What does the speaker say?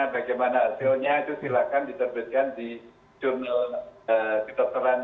bagaimana hasilnya itu silakan diterbitkan di jurnal kitoran yang terakreditasi